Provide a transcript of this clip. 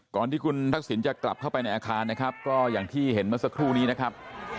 ก่อนที่คุณทักษิณจะกลับเข้าไปในอาคารนะครับก็อย่างที่เห็นเมื่อสักครู่นี้นะครับ